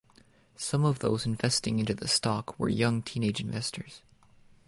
Some of those investing into the stock were young teenage investors.